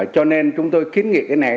cho nên chúng tôi kiến nghị cái này